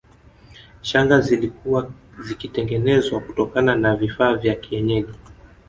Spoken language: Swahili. Shanga zilikuwa zikitengenezwa kutokana na vifaa vya kienyeji